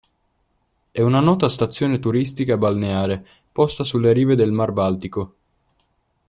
È una nota stazione turistica balneare, posta sulle rive del Mar Baltico.